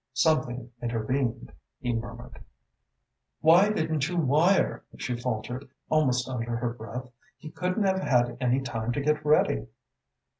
"Something intervened," he murmured. "Why didn't you wire?" she faltered, almost under her breath. "He couldn't have had any time to get ready."